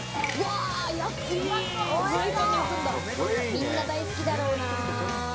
みんな大好きだろうな。